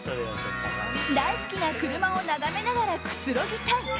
大好きな車を眺めながらくつろぎたい。